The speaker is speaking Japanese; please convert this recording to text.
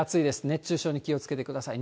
熱中症に気をつけてください。